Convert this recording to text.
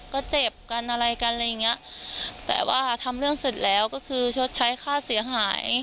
ก็เจ็บกันอะไรกันอะไรอย่างเงี้ยแต่ว่าทำเรื่องเสร็จแล้วก็คือชดใช้ค่าเสียหาย